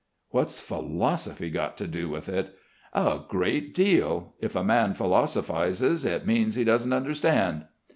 "What's philosophy got to do with it?" "A great deal. If a man philosophises, it means he doesn't understand."